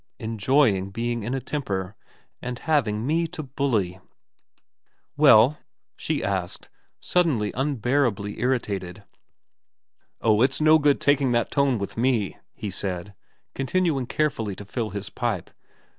' Enjoying being in a temper, and having me to bully.' ' Well ?' she asked, suddenly unbearably irritated. ' Oh it's no good taking that tone with me,' he said, continuing carefully to fill his pipe.